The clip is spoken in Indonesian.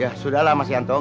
ya sudahlah mas yanto